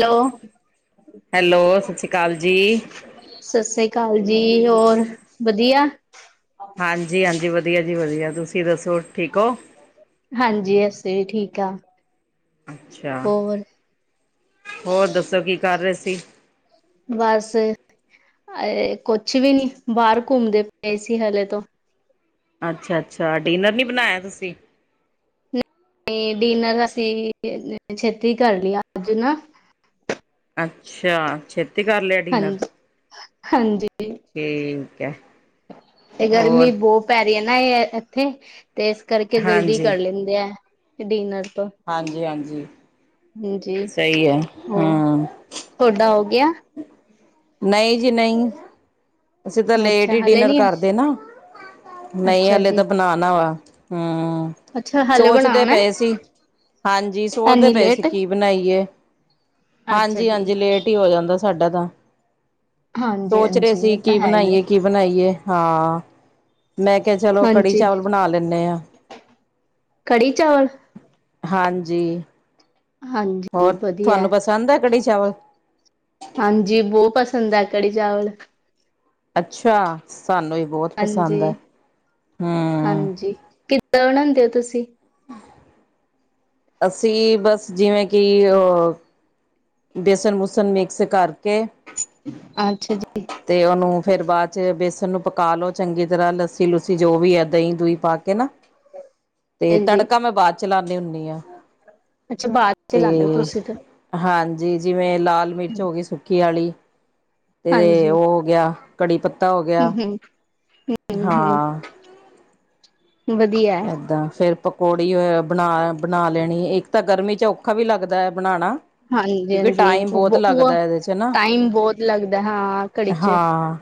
ਲੋ hello, ਸਸ ਸ਼੍ਰੀ ਕਾਲ ਜੀ। ਸਸ ਸ੍ਰੀ ਕਾਲ ਜੀ, ਔਰ ਵਦੀਆ? ਹਾਂਜੀ-ਹਾਂਜੀ ਵਦੀਆ ਜੀ ਵਦੀਆ, ਤੁਸੀਂ ਦੱਸੋ ਠੀਕ ਓ? ਹਾਂਜੀ ਅਸੀਂ ਵੀ ਠੀਕ ਆ। ਅੱਛਾ, ਹੋਰ ਹੋਰ ਦੱਸੋ ਕੀ ਕਰ ਰੇ ਸੀ? ਬਸ ਅਏ, ਕੁਛ ਵੀ ਨੀ ਬਾਰ ਘੁੰਮਦੇ ਪਏ ਸੀ ਹਲੇ ਤੋਂ। ਅੱਛਾ-ਅੱਛਾ, ਡਿਨਰ ਨੀ ਬਨਾਇਆ ਤੁਸੀਂ? ਨੀ ਡਿਨਰ ਅਸੀਂ ਛੇਤੀ ਕਰ ਲਿਆ ਅੱਜ ਨਾ। ਅੱਛਾ ਛੇਤੀ ਕਰ ਲੇਆ ਡਿਨਰ। ਹਾਂਜੀ, ਹਾਂਜੀ। ਠੀਕ ਐ। ਤੇ ਗਰਮੀ ਬੋਅ ਪੈ ਰੀ ਐ ਨਾ ਏ ਐਥੇ। ਤੇ ਇਸ ਕਰਕੇ ਜਲਦੀ ਹਾਂਜੀ ਕਰ ਲੈਂਦੇ ਐ ਡਿਨਰ ਤੋਂ। ਹਾਂਜੀ-ਹਾਂਜੀ। ਹਾਂਜੀ ਹੋਰ, ਹਾਂ ਥੋਡਾ ਹੋ ਗੇਆ। ਨਈਂ ਜੀ ਨਈਂ। ਅਸੀਂ ਤਾਂ ਲੇਟ ਅੱਛਾ ਈ ਹਲੇ ਡਿਨਰ ਨੀ, ਕਰਦੇ ਨਾ, ਨਈਂ ਅੱਛਾ ਹਲੇ ਜੀ, ਤਾਂ ਬਨਾਨਾ ਵਾ। ਹਾਂ। ਅੱਛਾ ਹਲੇ ਸੋਚਦੇ ਬਣਾਉਣਾ, ਪਏ ਸੀ, ਹਾਂਜੀ ਸੋਚਦੇ ਐਨੀ ਪਏ ਸੀ ਲੇਟ? ਕੀ ਬਨਾਈਏ। ਅੱਛਾ ਜੀ, ਹਾਂਜੀ-ਹਾਂਜੀ ਲੇਟ ਈ ਹੋ ਜਾਂਦੈ ਸਾਡਾ ਤਾਂ। ਸੋਚ ਰਹੇ ਸੀ ਹਾਂਜੀ-ਹਾਂਜੀ। ਤਾਂ ਕੀ ਹੈ ਹੀ ਹੈ। ਬਨਾਈਏ-ਕੀ ਬਨਾਈਏ ਹਾਂ, ਮੈਂ ਕਿਆ ਚਲੋ ਕੜੀ ਹਾਂਜੀ, ਚਾਵਲ ਬਨਾ ਲੈਂਨੇ ਆਂ। ਕੜੀ ਚਾਵਲ ਹਾਂਜੀ। ਹਾਂਜੀ ਹੋਰ ਵਧੀਆ, ਥਆਨੂੰ ਪਸੰਦ ਐ ਕੜੀ ਚਾਵਲ। ਹਾਂਜੀ ਬਹੁ ਪਸੰਦ ਐ ਕੜੀ ਚਾਵਲ। ਅੱਛਾ, ਸਾਨੂੰ ਵੀ ਬੋਤ ਪਸੰਦ ਐ। ਹਾਂਜੀ, ਕਿੱਦਾਂ ਬਨਾਂਦੇ ਓਂ ਤੁਸੀਂ। [inaudible] ਅਸੀਂ ਬਸ ਜਿਵੇਂ ਕੀ ਅ ਬੇਸਣ ਬੂਸਨ ਮਿਕਸ ਕਰਕੇ ਅੱਛਾ ਜੀ। ਤੇ ਓਨੂੰ ਫੇਰ ਬਾਦ ਚ ਬੇਸਨ ਨੂੰ ਪਕਾ ਲੋ ਚੰਗੀ ਤਰ੍ਹਾਂ ਲੱਸੀ-ਲੁੱਸੀ ਜੋ ਵੀ ਐ, ਦਈਂ-ਦੂਈਂ ਪਾ ਕੇ ਨਾ। [inaudible] ਤੇ ਹਾਂਜੀ ਤੜਕਾ ਮੈਂ ਬਾਦ ਚ ਲਾਨੀ ਹੁੰਨੀ ਆਂ। ਅੱਛਾ ਬਾਦ ਚ ਲਾਨੇ ਓ ਤੁਸੀਂ ਤਾਂ। ਹਾਂਜੀ ਜਿਵੇਂ ਲਾਲ ਮਿਰਚ ਹੋਗੀ ਸੁੱਕੀ ਆਲੀ ਹਾਂਜੀ, ਤੇ ਓ ਹੋ ਗੇਆ ਕੜੀ ਪੱਤਾ ਹੋ ਗੇਆ, ਹੂੰ-ਹੂੰ, ਹਾਂ। ਵਦੀਐ ਏਦਾਂ ਫੇਰ ਪਕੌੜੀ ਬਨਾ-ਬਨਾ ਲੈਨੀ ਇੱਕ ਤਾਂ ਗਰਮੀ ਚ ਔਖਾ ਵੀ ਲੱਗਦਾ ਐ ਬਨਾਨਾ। ਹਾਂਜੀ-ਹਾਂਜੀ ਓ ਚ ਨਾ ਟਾਈਮ ਬੋਤ ਲੱਗਦਾ ਹਾਂ ਕੜੀ ਚ [inaudible] ਹਾਂ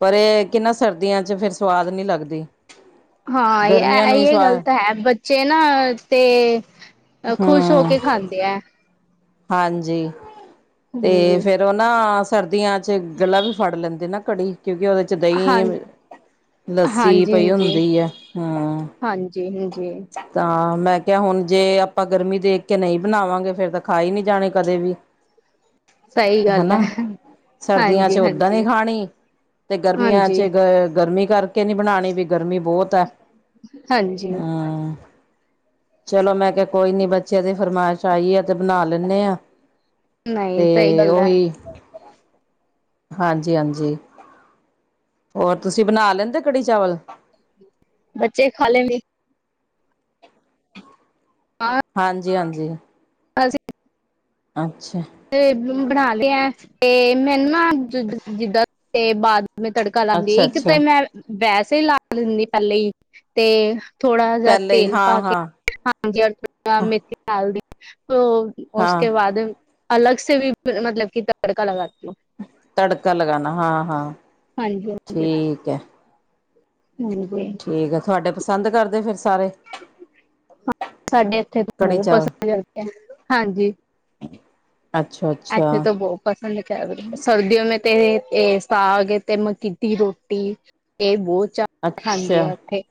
ਪਰ ਐ ਕੇ ਨਾ ਸਰਦੀਆਂ ਚ ਫਿਰ ਸਵਾਦ ਨੀ ਲੱਗਦੀ। ਹਾਂ ਐ ਗਰਮੀਆਂ ਨੂੰ ਹੀ ਐਈਏ ਗੱਲ ਸਵਾਦ ਤਾਂ ਹੈ ਬੱਚੇ ਨਾ ਤੇ ਅ ਖੁਸ਼ ਹੋ ਹਮ ਕੇ ਖਾਂਦੇ ਐ। ਹਾਂਜੀ ਤੇ ਫੇਰ ਹਾਂਜੀ ਫੇਰ ਓ ਨਾ ਸਰਦੀਆਂ ਚ ਗਲਾ ਵੀ ਫੜ ਲੈਂਦੇ ਨਾ ਕੜੀ ਕਿਓਂਕਿ ਓਦੇ ਚ ਹਾਂ ਦਈਂ ਲੱਸੀ ਪਈ ਹੁੰਦੀ ਐ, ਹੂੰ। ਹਾਂਜੀ-ਹਾਂਜੀ। ਤਾਂ ਮੈਂ ਕਿਆ ਹੁਨ ਜੇ ਆਪਾਂ ਗਰਮੀ ਦੇਖ ਕੇ ਨਈਂ ਬਨਾਵਾਂਗੇ ਫੇਰ ਤਾਂ ਖਾਈ ਨੀ ਜਾਨੀ ਕਦੇ ਵੀ। ਸਈ ਗੱਲ ਐ। ਹਨਾ ਸਰਦੀਆਂ ਚ ਓਦਾਂ ਨ ਖਾਨੀ, ਤੇ ਗਰਮੀਆਂ ਹਾਂਜੀ ਚ ਗ ਗਰਮੀ ਕਰ ਕੇ ਨੀ ਬਨਾਨੀ ਵੀ ਗਰਮੀ ਬੋਤ ਐ, ਹਾਂਜੀ ਹੂੰ। ਚਲੋ ਮੈਂ ਕਿਆ ਕੋਈ ਨੀ ਬੱਚਿਆਂ ਦੀ ਫਰਮਾਇਸ਼ ਆਈ ਆ ਤੇ ਬਨਾ ਲੈੈਂਨੇ ਆ। ਨਹੀਂ ਤੇ ਸਹੀ ਗੱਲ ਹੈ ਓਹੀ ਹਾਂਜੀ-ਹਾਂਜੀ, ਹੋਰ ਤੁਸੀਂ ਬਨਾ ਲੈਂਦੇ ਕੜੀ ਚਾਵਲ। ਬੱਚੇ ਖਾ ਲੈਂਦੇ। ਆ ਹਾਂਜੀ-ਹਾਂਜੀ। ਆ ਜ਼ੀ ਅੱਛਾ। ਤੇ ਬਂ ਬਨਾਂਦੇ ਐਂ ਤੇ ਮੈਨੂੰ ਨਾ ਜਿੱਦ ਜਿੱਦਾਂ ਤੇ ਬਾਦ ਮੈਂ ਤੜ ਕਾ ਲਾਂਗੇ ਅੱਛਾ ਇੱਕ ਤੇ ਅੱਛਾ ਮੈਂ ਵ ਵੈਸੇ ਈ ਲਾ ਦਿੰਨੀ ਪੈਲੇ ਈ ਤੇ ਥੋੜਾ ਜਾ ਪਹਿਲੇ ਹੀ ਤੇਲ ਪਾ ਹਾਂ ਕੇ ਹਾਂ ਹਾਂਜੀ [unintelligible] ਥੋੜ ਮੇਥੀ ਡਾਲਦੀ ਕੂ ਹਾਂ ਉਸਕੇ ਬਾਦ ਅਲਗ ਸੇ ਵੀ ਮਤਲਬ ਕਿ ਤੜਕਾ ਲਗਾਤੀ ਹੂੰ। ਤੜਕਾ ਲਗਾਨਾ, ਹਾਂ-ਹਾਂ ਹਾਂਜੀ ਠੀਕ ਐ। ਮਿਲ ਗੇ ਠੀਕ ਐ। ਥੁਆਡੇ ਪਸੰਦ ਕਰਦੇ ਫਿਰ ਸਾਰੇ? ਹਾਂ ਸਾਡੇ ਏੱਥੇ ਤੇ ਕੜੀ ਬੋਹੋਤ ਚਾਵਲ ਪਸੰਦ ਕਰਦੇ ਐ। ਹਾਂਜੀ। ਅੱਛਾ ਐੱਥੇ ਅੱਛਾ ਤੇ ਬੋ ਪਸੰਦ ਕ ਅ ਸਰਦੀਯੋਂ ਮੇਂ ਤੇ ਸਾਗ ਤੇ ਮੱਕੀ ਦੀ ਰੋਟੀ ਏ ਬੋਤ ਚਾਅ ਖਾਂਦੇ ਅੱਛਾ ਆ ਓਥੇ।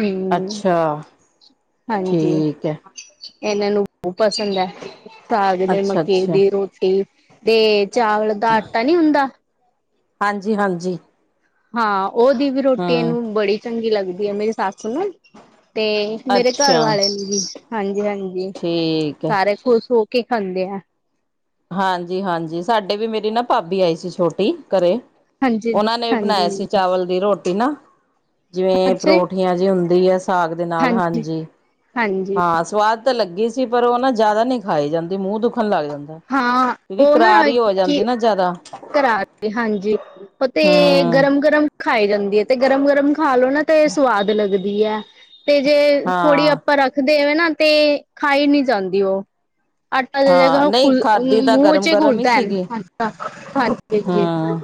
ਹੂੰ। ਆ ਹਾਂਜੀ, ਏਨਾਂ ਨੂੰ ਬ ਪਸੰਦ ਐ। ਸਾਗ ਤੇ ਅੱਛਾ ਮੱਕੀ ਅੱਛਾ ਦੀ ਰੋਟੀ ਤੇ ਚਾਵਲ ਦਾ ਆਟਾ ਨੀ ਹੁੰਦਾ ਹਾਂਜੀ-ਹਾਂਜੀ। ਹਾਂ, ਓਦੀ ਵੀ ਰੋਟੀ ਏਨੂੰ ਬੜੀ ਚੰਗੀ ਲੱਗਦੀ ਐ, ਮੇਰੀ ਸੱਸ ਨੂੰ ਤੇ ਮੇਰੇ ਅੱਛਾ ਘਰਵਾਲੇ ਨੂੰ ਵੀ। ਹਾਂਜੀ-ਹਾਂਜੀ, ਠੀਕ ਹੈ ਸਾਰੇ ਖ਼ੁਸ਼ ਹੋ ਕੇ ਖਾਂਦੇ ਐ। ਹਾਂਜੀ-ਹਾਂਜੀ, ਸਾਡੇ ਵੀ। ਮੇਰੀ ਨਾ ਭਾਬੀ ਆਈ ਸੀ ਛੋਟੀ, ਘਰੇ ਹਾਂਜੀ ਓਨਾਂ ਨੇ ਵੀ ਬਨਾਇਆ ਹਾਂਜੀ ਸੀ ਚਾਵਲ ਦੀ ਰੋਟੀ ਨਾ। ਜਿਵੇਂ ਅੱਛਾ ਜੀ, ਪਰੌਠੀਆਂ ਜੇ ਹੁੰਦੀ ਐ ਸਾਗ ਦੇ ਨਾਲ, ਹਾਂਜੀ। ਹਾਂਜੀ। ਹਾਂ, ਸਵਾਦ ਤਾਂ ਲੱਗੀ ਸੀ ਪਰ ਓ ਨਾ ਜਿਆਦਾ ਨੀ ਖਾਈ ਜਾਂਦੀ, ਮੂੰਅ ਦੁੱਖਨ ਲੱਗ ਜਾਂ ਹਾਂ, ਓ ਨਾ ਕਿ ਨਾ ਜ਼ਿਆਦਾ ਕਰਾ ਤੇ ਹਾਂਜੀ ਪ ਤੇ ਹੂੰ ਗਰਮ-ਗਰਮ ਖਾਏ ਜਾਂਦੀ ਐ ਤੇ ਗਰਮ-ਗਰਮ ਖਾ ਲੋ ਨਾ ਤੇ ਸਵਾਦ ਲੱਗਦੀ ਐ ਤੇ ਜੇ ਥੋੜੀ ਹਾਂ ਆਪਾਂ ਰੱਖ ਦੇਵੇ ਤੇ ਖਾਈ ਨੀ ਜਾਂਦੀ ਓ। ਆਟਾ ਦੇ ਦੇਗਾ ਓ। ਖਾਦੀ ਤਾਂ ਗਰਮ-ਗਰਮ ਈ ਸੀਗੀ, ਆਟਾ ਹਾਂਜੀ-ਹਾਂਜੀ। ਹੂੰ।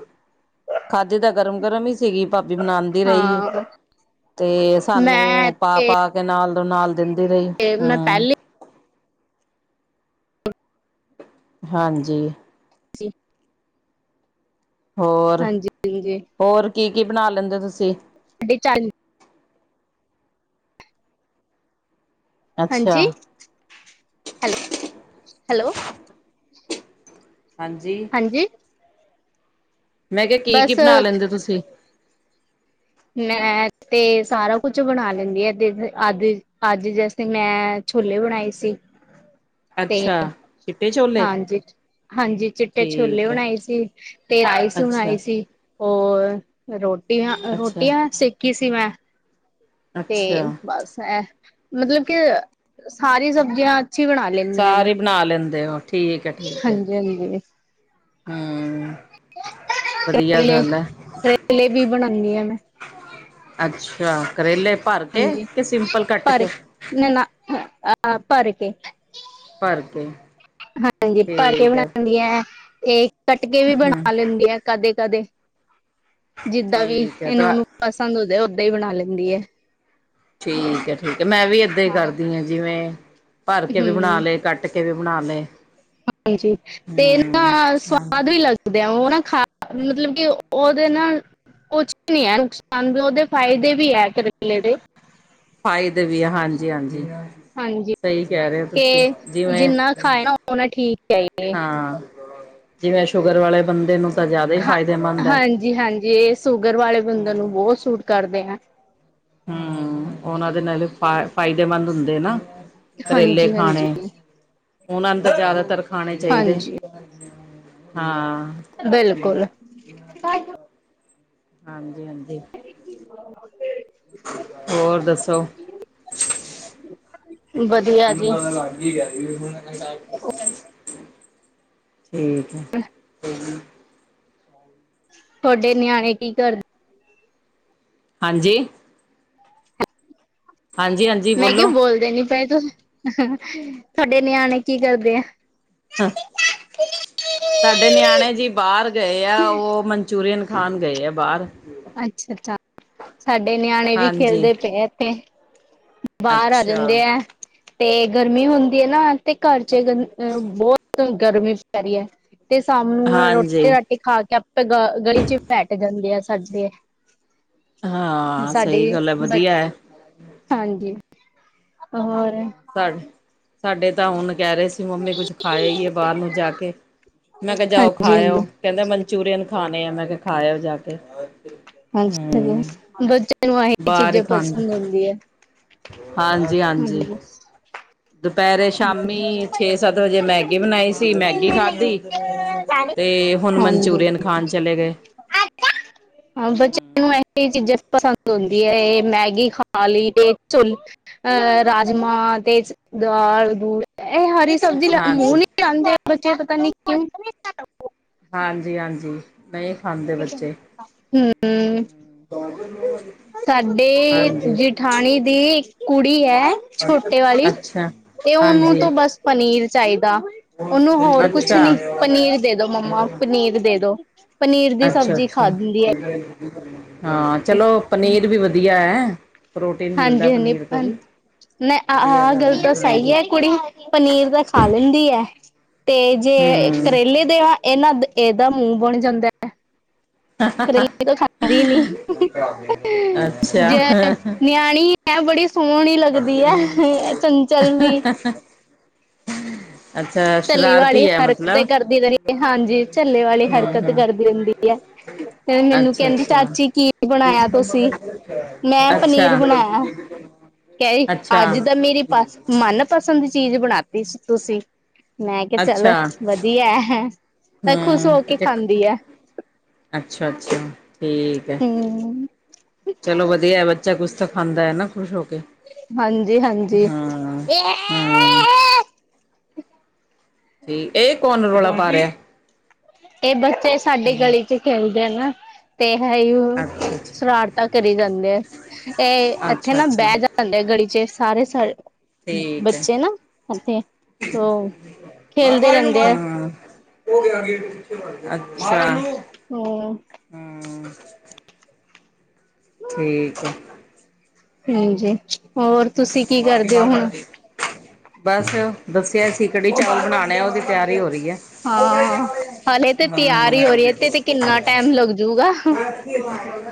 ਖਾਦੀ ਤਾਂ ਗਰਮ-ਗਰਮ ਈ ਸੀਗੀ। ਭਾਬੀ ਬਨਾਨਦੀ ਰਈ ਹਾਂ ਤੇ ਮੈਂ ਸਾਨੂੰ ਤੇ ਪਾ-ਪਾ ਕੇ ਨਾਲ ਡੋ ਨਾਲ ਦਿੰਦੀ ਰਈ। ਮੈਂ ਹੂੰ। ਪਹਿਲੇ ਹਾਂਜੀ। ਜੀ। ਹੋਰ? ਹਾਂਜੀ-ਹਾਂਜੀ। ਹੋਰ ਕੀ-ਕੀ ਬਨਾ ਲੈਂਦੇ ਓ ਤੁਸੀ? ਡਿਚ ਆਈ ਅੱਛਾ ਹਾਂਜੀ? Hello, hello. ਹਾਂਜੀ? ਜੀ ਮੈਂ ਕਿਆ ਕੀ-ਕੀ ਬਸ ਬਨਾ ਲੈਂਦੇ ਓ ਤੁਸੀ? ਮੈਂ ਤੇ ਸਾਰਾ ਕੁਛ ਬਣਾ ਲੈਂਦੀ ਏ ਦੇਵਯ, ਆਦ ਅੱਜ ਜਸਟ ਮੈਂ ਛੋਲੇ ਬਣਾਏ ਸੀ। ਤੇ ਅੱਛਾ ਚਿੱਟੇ ਛੋਲੇ ਹਾਂਜੀ, ਹਾਂਜੀ ਚਿੱਟੇ ਛੋਲੇ ਠੀਕ ਹੈ ਬਣਾਏ ਸੀ ਤੇ ਆਈਸ ਬਣਾਏ ਅੱਛਾ ਸੀ ਹੋਰ, ਰੋਟੀਆਂ, ਅੱਛਾ ਰੋਟੀਆਂ ਸੇਖੀ ਸੀ ਮੈਂ ਤੇ ਅੱਛਾ ਬਸ ਐਹ ਮਤਲਬ ਕਿ ਸਾਰੀ ਸਬਜ਼ੀਆਂ ਅੱਛੀ ਬਣਾ ਲੀ ਸਾਰੀ ਬਣਾ ਲੈਂਦੇ ਹੋ ਠੀਕ ਹੈ ਠੀਕ ਹੈ ਸਹੀ ਹੈ ਹਮ ਵਧੀਆ ਪੇਪਲੇ, ਗੱਲ ਹੈ ਪੇਪਲੇ ਵੀ ਬਣਾਉਦੀ ਆ ਮੈਂ ਅੱਛਾ, ਕਰੇਲੇ ਭਰ ਕੇ ਕੀ ਸਿੰਪਲ ਕੱਟ ਕੇ ਨੀ ਨਾ ਅ ਹਾਂ ਭਰ ਕੇ ਭਰ ਕੇ ਹਾਂਜੀ ਭਰ ਕੇ ਠੀਕ ਹੈ ਬਣਾਉਦੀ ਐ ਤੇ ਕੱਟ ਕੇ ਵੀ ਬਣਾ ਲੈਂਦੀ ਐ ਕਦੇ -ਕਦੇ ਜਿੱਦਾਂ ਵੀ ਠੀਕ ਹੈ ਇਹਨੂੰ ਤਾਂ ਉਹਨੂੰ ਪਸੰਦ ਹੋ ਜਾਏ ਓਦਾਂ ਹੀ ਬਣਾ ਲੈਂਦੀ ਹੈ ਠੀਕ ਹੈ ਠੀਕ ਹੈ ਮੈਂ ਵੀ ਐਦਾਂ ਹੀ ਕਰਦੀ ਹਾਂ ਜਿਵੇਂ ਭਰ ਕੇ ਵੀ ਬਣਾ ਹਮ ਲਏ, ਕੱਟ ਕੇ ਵੀ ਬਣਾ ਲਏ ਹਾਂਜੀ ਤੇ ਨਾ ਹਮ ਹਾਂਜੀ ਸਵਾਦ ਵੀ ਲਗ ਦੇ ਉਹ ਨਾ ਖਾ ਮਤਲਬ ਕਿ ਉਹਦੇ ਨਾ ਕੁਛ ਨੀ ਹੈ ਨੁਕਸਾਨ ਉਹਦੇ ਫਾਇਦੇ ਵੀ ਹੈ ਕਰੇਲੇ ਦੇ ਫਾਇਦੇ ਵੀ ਹੈ ਹਾਂਜੀ ਹਾਂਜੀ ਹਾਂਜੀ ਸਈ ਕਹਿ ਰਹੇ ਤੁਸੀਂ ਕੇ ਜਿਵੇਂ ਜਿੰਨਾ ਖਾਏ ਨਾ ਉਹਨਾ ਠੀਕ ਹੈ ਇਹ ਹਾਂ ਜਿਵੇਂ ਸ਼ੂਗਰ ਵਾਲੇ ਬੰਦੇ ਨੂੰ ਜਿਆਦਾ ਹੀ ਫਾਇਦੇਮੰਦ ਹੈ ਜੀ ਹਾਂਜੀ ਇਹ ਸ਼ੂਗਰ ਵਾਲੇ ਬੰਦੇ ਹਮ ਨੂੰ ਬਹੁਤ ਸੂਟ ਕਰਦੇ ਨੇ ਹੂੰਮ ਉਹਨਾਂ ਦੇ ਨਾਲੇ ਫ ਫਾਇਦੇਮੰਦ ਹੁੰਦੇ ਨਾ ਕਰੇਲੇ ਹਾਂਜੀ ਹਾਂਜੀ ਖਾਨੇ, ਉਹਨਾਂ ਨੂੰ ਤਾਂ ਜ਼ਿਆਦਾਤਰ ਖਾਣੇ ਚਾਹੀਦੇ ਹਾਂਜੀ ਹਾਂਜੀ ਹਾਂ ਬਿਲਕੁਲ ਹਾਂਜੀ- ਹਾਂਜੀ ਹੋਰ ਦੱਸੋ? [unintelligible] ਅਤੇ ਵਧੀਆ ਜੀ ਠੀਕ ਤੁਹਾਡੇ ਨਿਆਣੇ ਕੀ ਕਰ ਹਾਂਜੀ ਹਾਂਜੀ-ਹਾਂਜੀ ਮੈਂ ਕਿਹਾ ਬੋਲੋ। ਬੋਲਦੇ ਨੀ ਪਏ ਤੂਸ, ਤੁਹਾਡੇ ਨਿਆਣੇ ਕੀ ਕਰਦੇ ਆ ਹਾਂ ਸਾਡੇ ਨਿਆਣੇ ਜੀ ਬਾਹਰ ਗਏ ਆ ਉਹ ਮਨਚੂਰੀਅਨ ਖਾਣ ਗਏ ਆ ਬਾਹਰ ਅੱਛਾ ਅੱਛਾ ਸਾਡੇ ਨਿਆਣੇ ਵੀ ਹਾਂਜੀ, ਖੇਲਦੇ ਪਏ ਇੱਥੇ ਬਾਹਰ ਆ ਅੱਛਾ, ਜਾਂਦੇ ਹੈ। ਤੇ ਗਰਮੀ ਹੁੰਦੀ ਹੈ ਨਾ ਤੇ ਘਰ 'ਚ, ਬਹੁਤ ਗਰਮੀ ਪੈ ਰਹੀ ਹੈ। ਤੇ ਸਾਮ ਨੂੰ ਹਾਂਜੀ। ਰੋਟੀ-ਰਾਟੀ ਖਾ ਕੇ ਆਪੇ ਗਲੀ 'ਚ ਬੈਠ ਜਾਂਦੇ ਆ ਸਾਡੇ ਹਾਂ ਸਹੀ ਸਾਡੇ ਗੱਲ ਹੈ, ਬ ਵਧੀਆ ਐ ਹਾਂਜੀ, ਹੋਰ? ਸ ਸਾਡੇ ਤਾਂ ਹੁਣ ਕਹਿ ਰਹੇ ਸੀ। ਕਿ ਮੰਮੀ ਕੁਛ ਖਾ ਆਈਏ ਬਾਹਰ ਨੂੰ ਜਾ ਕੇ, ਮੈਂ ਕਿਹਾ ਜਾਓ ਖਾ ਹਾਂਜੀ ਆਓ। ਹਾਂਜੀ ਕਹਿੰਦਾ ਮਨਚੂਰੀਅਨ ਖਾਣੇ ਆ, ਮੈਂ ਕੇਹਾ ਖਾ ਆਓ ਜਾਕੇ। ਹਾਂਜੀ- ਹਾਂਜੀ। ਬੱਚਿਆਂ ਨੂੰ ਆਹੀ ਬਾਹਰ ਹੀ ਚੀਜ਼ਾਂ ਖਾਂਦੇ ਪਸੰਦ ਹੁੰਦੀ ਹੈ। ਹਾਂਜੀ- ਹਾਂਜੀ। ਦੁਪਹਿਰੇ, ਸ਼ਾਮੀ ਛੇ-ਸੱਤ ਵਜੇ ਮੈਗੀ ਬਣਾਈ ਸੀ ਮੈਗੀ ਖਾਧੀ ਤੇ ਹੁਣ ਮਨਚੂਰੀਅਨ ਖਾਣ ਚਲੇ ਗਏ। ਅੱਛਾ ਹਾਂ, ਬੱਚਿਆਂ ਨੂੰ ਇਹੀ ਚੀਜ਼ਾਂ ਪਸੰਦ ਹੁੰਦੀਆ ਇਹ ਮੈਗੀ ਖਾ ਲਈ ਤੇ ਰਾਜਮਾਹ ਤੇ ਦਾਲ ਇਹ ਹਰੀ ਸਬਜ਼ੀ ਮੂੰਹ ਹਾਂਜੀ ਨਹੀਂ ਲਾਦੇ ਬੱਚੇ ਪਤਾ ਨਈ ਕਿਉਂ ਹਾਂਜੀ, ਹਾਂਜੀ ਨਹੀਂ ਖਾਂਦੇ ਬੱਚੇ ਹੂੰ ਸਾਡੇ ਜ ਹਾਂਜੀ ਜੇਠਾਣੀ ਦੀ ਇੱਕ ਕੁੜੀ ਐ ਛੋਟੇ ਵਾਲੀ ਅੱਛਾ ਤੇ ਉਹਨੂੰ ਹਾਂਜੀ ਤੋਂ ਬਸ ਪਨੀਰ ਚਾਹੀਦਾ ਉਹਨੂੰ ਅੱਛਾ ਹੋਰ ਕੁਛ ਨੀ ਪਨੀਰ ਦੇ ਦੋ ਮੰਮਾ ਪਨੀਰ ਦੇ ਦੋ। ਪਨੀਰ ਦੀ ਅੱਛਾ ਸਬਜ਼ੀ ਅੱਛਾ ਖਾਂਦੀ ਐ ਹਾਂ, ਚਲੋ ਪਨੀਰ ਵੀ ਵਧੀਆ ਐ ਹਾਂਜੀ ਹਾਂਜੀ ਭੈਣ ਨ ਵਧੀਆ ਆਹ ਗੱਲ ਹੈ ਤਾਂ ਸਹੀ ਹਾਂਜੀ ਐ ਕੁੜੀ ਪਨੀਰ ਤਾਂ ਖਾ ਲੈਂਦੀ ਐ ਤੇ ਜੇ ਹਮ ਕਰੇਲੇ ਦੇਵਾ ਇਹਨਾ ਇਹਦਾ ਮੂੰਹ ਬਣ ਜਾਂਦਾ ਐ ਕਰੇਲੇ ਤਾਂ ਖਾਂਦੀ ਨੀ ਅੱਛਾ ਹਜੇ ਨਿਆਣੀ ਐ ਬੜੀ ਸੋਹਣੀ ਲੱਗਦੀ ਐ ਚੰਚਲ ਜੀ [unintelligible] ਅੱਛਾ। ਝੱਲੀ ਵਾਲੀ ਸ਼ਰਾਰਤੀ ਹੈ ਹਰਕਤੇ ਮਤਲਬ ਕਰਦੀ ਰਹਿੰਦੀ ਏ ਹਾਂਜੀ ਝੱਲੇ ਵਾਲੀ ਹਮ ਹਰਕਤ ਹਮ ਕਰਦੀ ਰਹਿੰਦੀ ਐ। ਤੇ ਮੈਨੂੰ ਅੱਛਾ ਕਹਿੰਦੀ ਅੱਛਾ ਚਾਚੀ ਕੀ ਬਣਾਇਆ ਤੁਸੀਂ ਮੈਂ ਪਨੀਰ ਅੱਛਾ ਬਣਾਇਆ ਕਹਿ ਰੀ ਅੱਛਾ ਅੱਜ ਤਾਂ ਮੇਰੀ ਪਸ ਮਨਪਸੰਦ ਚੀਜ਼ ਬਣਾਤੀ ਸੀ ਤੁਸੀਂ। ਮੈਂ ਕਿਹਾ ਚਲੋ ਅੱਛਾ ਵਧੀਆ ਐ ਖੁਸ਼ ਹਮ ਹੋ ਕੇ ਖਾਂਦੀ ਆ। ਅੱਛਾ, ਅੱਛਾ ਠੀਕ ਐ। ਹਮ ਚਲੋ ਵਧੀਆ ਐ ਬੱਚਾ ਕੁਛ ਤਾਂ ਖਾਂਦਾ ਆ ਨਾ ਖੁਸ਼ ਹੋ ਕੇ। ਹਾਂਜੀ ਹਾਂਜੀ ਹਾਂ-ਹਾਂ। ਇਹ ਕੌਣ ਰੌਲਾ ਪਾ ਰਿਆ। ਇਹ ਬੱਚੇ ਸਾਡੀ ਗਲੀ ਚ ਖੇਲਦੇ ਆ ਨਾ। ਤੇ ਇਹ ਹੀ ਅੱਛਾ ਅੱਛਾ ਸ਼ਰਾਰਤਾ ਕਰੀ ਜਾਂਦੇ ਆ ਇਹ ਇੱਥੇ ਅੱਛਾ ਨਾ ਅੱਛਾ ਬਹਿ ਜਾ ਦੇ ਸਾਡੇ ਗਲੀ ਚ ਸਾਰੇ ਠੀਕ ਹੈ ਬੱਚੇ ਨਾ ਇਥੇ ਓ ਖੇਲਦੇ ਰਹਿੰਦੇ ਆ। ਅੱਛਾ। ਹੂੰ। ਠੀਕ ਐ। ਹਾਂਜੀ, ਹੋਰ ਤੁਸੀਂ ਕੀ ਮਾਰ ਕੇ ਕਰਦੇ ਹੋ ਬਾਹਰ ਕੱਢ ਹੁਣ? ਦੇ ਬਸ ਦੱਸਿਆ ਸੀ ਕੜੀ ਚਾਵਲ ਬਣਾਣੇ ਉਹਦੀ ਤਿਆਰੀ ਹੋ ਰਹੀ ਐ ਹਾਂ ਹਲੇ ਤੇ [inaudible] ਤਿਆਰ ਹੀ ਹੋ ਰਹੀ ਹੈ ਤੇ ਤੇ ਕਿੰਨਾ ਟਾਈਮ ਲੱਗਜੂਗਾ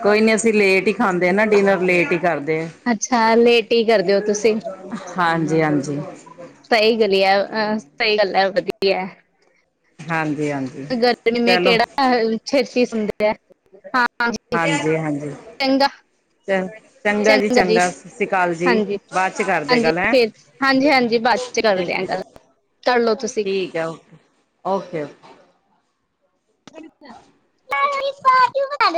ਕੋਈ ਨੀ ਅਸੀਂ ਲੇਟ ਹੀ ਖਾਂਦੇ ਆ ਨਾ ਡਿਨਰ ਲੇਟ ਹੀ ਕਰਦੇ ਐ। ਅੱਛਾ‌ ਲੇਟ ਹੀ ਕਰਦੇ ਹੋ ਤੁਸੀਂ ਹਾਂਜੀ, ਹਾਂਜੀ। ਸਹੀ ਗਲੀਆ ਅਹ ਸਹੀ ਗੱਲ ਐ, ਵਧੀਆ ਐ ਹਾਂਜੀ, ਹਾਂ ਗਰਮੀ ਚ ਕਿਹੜਾ ਛੇਤੀ ਸੋਦੇ ਹਾਂਜੀ ਚੰਗਾ ਚ ਚੰਗਾ ਜੀ, ਸਤਿ ਸ਼੍ਰੀ ਅਕਾਲ ਜੀ ਹਾਂਜੀ ਬਾਅਦ 'ਚ ਕਰਦੇ ਗੱਲ ਹੈਂ ਫੇਰ ਹਾਂਜੀ ਹਾਂਜੀ, ਬਾਅਦ 'ਚ ਕਰਦੇ ਠੀਕ ਆ ਹੈ ਗੱਲ। ਕਰਲੋ ਤੁਸੀਂ ਠੀਕ ਹੈ ਓਕੇ, ਓਕੇ-ਓਕੇ। ਲ [unintelligible]